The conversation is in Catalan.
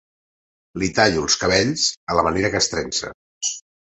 Li tallo els cabells a la manera castrense.